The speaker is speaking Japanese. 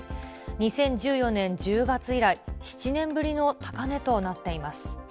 ２０１４年１０月以来、７年ぶりの高値となっています。